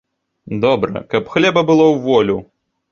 Добра, каб хлеба было ў волю.